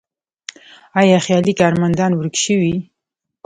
آیا خیالي کارمندان ورک شوي؟